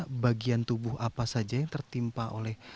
kejadian tubuh apa saja yang tertimpa oleh